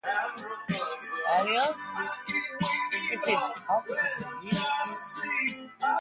"Adios" received positive reviews.